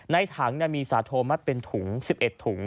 ในถังมีสาโทมัดเป็นถุง๑๑ถุง